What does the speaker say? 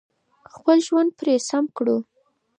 خپل ژوند پرې سم کړو.